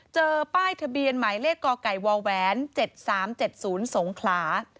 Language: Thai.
เจอป้ายทะเบียนหมายเลขกไก่ว๗๓๗๐สงขลา